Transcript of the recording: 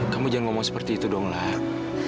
kamu jangan ngomong seperti itu dong lark